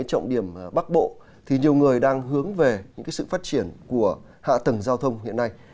trọng điểm bắc bộ thì nhiều người đang hướng về những sự phát triển của hạ tầng giao thông hiện nay